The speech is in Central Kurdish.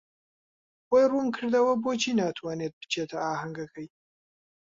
بۆی ڕوون کردەوە بۆچی ناتوانێت بچێتە ئاهەنگەکەی.